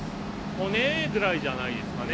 骨ぐらいじゃないですかね